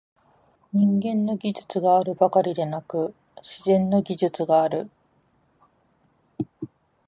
人間の技術があるばかりでなく、「自然の技術」がある。